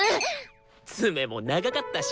爪も長かったし。